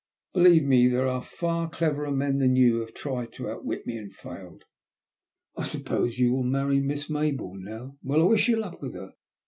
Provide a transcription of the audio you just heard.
Believe mo, there are far cleverer men than you who have tried to outwit me and failed. I suppose you will marry Miss May bourne now. Well, I wish you luck with her.